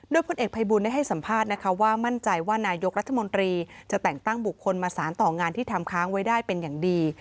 โดยพลเอกภัยบุญได้ให้สัมภาษณ์นะคะว่ามั่นใจว่านายกรัฐมนตรีจะแต่งตั้งบุคคลมาสารต่องานที่ทำค้างไว้ได้เป็นอย่างดี